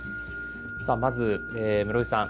さあまず室井さん